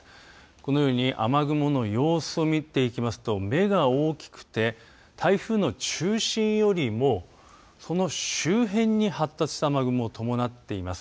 このように雨雲の様子を見ていきますと目が大きくて台風の中心よりもその周辺に発達した雨雲を伴っています。